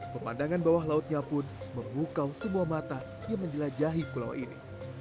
pemandangan bawah lautnya pun memukau semua mata yang menjelajahi pulau ini